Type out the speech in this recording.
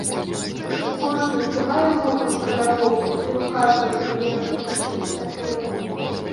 Кожны трымае локаць каля боку і рука з рэвальверам тарчыць наперад.